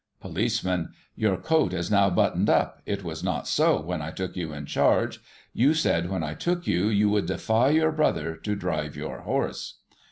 Policeman: Your coat is now buttoned up; it was not so when I took you in charge. You said, when I took you, you would defy your brother to drive your horse.